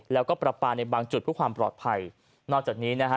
แล้วก็ประปาในบางจุดเพื่อความปลอดภัยนอกจากนี้นะฮะ